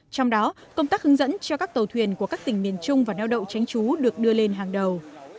trong đó công tác hướng dẫn cho các tàu thuyền của các tỉnh miền trung vào neo đậu tránh trú được đưa lên hàng đầu